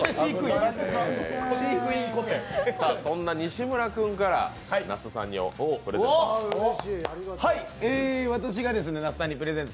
そんな西村君から那須さんにプレゼント。